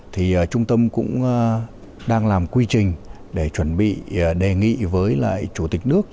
thì trung tâm cũng đang làm quy trình để chuẩn bị đề nghị với lại chủ tịch nước